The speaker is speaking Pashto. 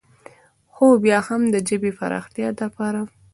خو بيا هم د ژبې د فراختيا دپاره